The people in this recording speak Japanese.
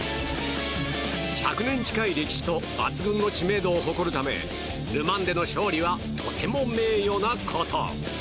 １００年近い歴史と抜群の知名度を誇るためルマンでの勝利はとても名誉なこと。